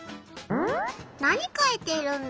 何かいているんだ？